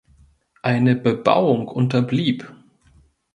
Eine Bebauung unterblieb.